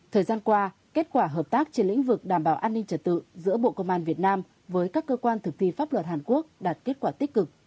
thời gian qua kết quả hợp tác trên lĩnh vực đảm bảo an ninh trật tự giữa bộ công an việt nam với các cơ quan thực thi pháp luật hàn quốc đạt kết quả tích cực